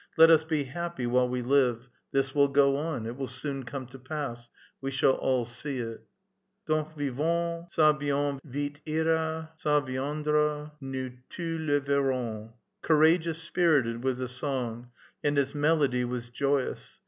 Let us be happy while we live ; this will go on ; it will soon come to pass ; we shall all see it. Done, vivons, (^a bien vite ira, Cn viendra, Nous tons le verrons !" Courageous, spirited, was the song, and its melody was joyous.